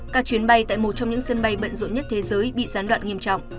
các chuyến bay tại một trong những sân bay bận rộn nhất thế giới bị gián đoạn nghiêm trọng